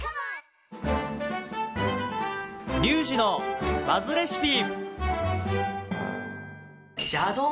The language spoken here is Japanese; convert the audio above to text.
「リュウジのバズレシピ」！